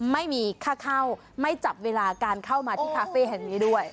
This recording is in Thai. ไม่มีค่าเข้าไม่จับเวลาการเข้ามาที่คาเฟ่แห่งนี้ด้วย